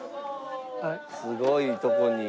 すごいとこに。